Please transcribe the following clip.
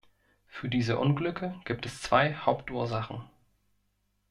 Für diese Unglücke gibt es zwei Hauptursachen.